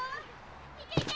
・いけいけ！